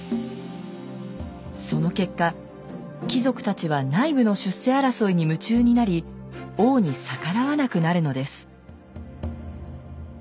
その結果貴族たちは内部の出世争いに夢中になり王に逆らわなくなるのです。